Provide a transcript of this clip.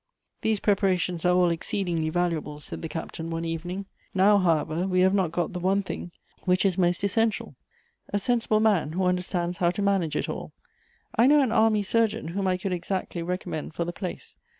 " These preparations are all exceedingly valuable," said the Captain, one evening. "Now, however, we have not got the one thing which is most essential — a sensible man who understands how to manage it all. I know an army surgeon, whom I could exactly recommend for the place.